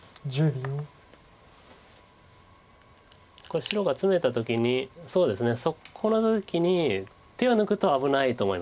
これ白がツメた時にそうですねそこの時に手を抜くと危ないと思います。